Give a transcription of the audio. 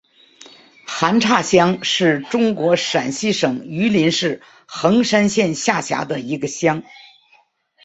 韩岔乡是中国陕西省榆林市横山县下辖的一个乡。